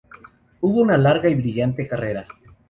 Hubo una larga y brillante carrera.